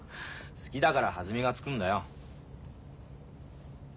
好きだから弾みがつくんだよ。